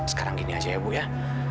sekarang gini aja ya bu ya